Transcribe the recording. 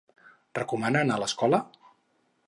Recomana anar a l'escola?